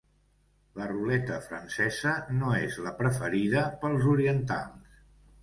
La ruleta francesa no és la preferida pels orientals.